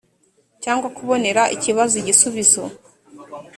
cyangwa kubonera ikibazo igisubizo